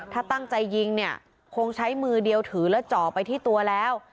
ถ้าตั้งใจยิงเนี่ยคงใช้มือเดียวถือแล้วเจาะไปที่ตัวแล้ว